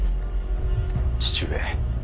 父上。